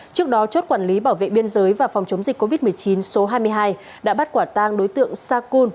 trước đó chốt quản lý bảo vệ biên giới và phòng chống dịch covid một mươi chín số hai mươi hai đã bắt quả tang đối tượng sakun